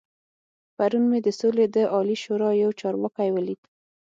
پرون مې د سولې د عالي شورا يو چارواکی ولید.